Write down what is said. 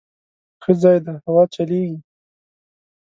_ښه ځای دی، هوا چلېږي.